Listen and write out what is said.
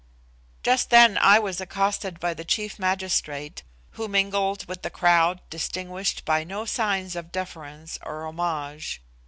Just then I was accosted by the chief magistrate, who mingled with the crowd distinguished by no signs of deference or homage.